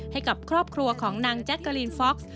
ให้กับครอบครัวของนางแจ๊กกะลีนฟ็อกซ์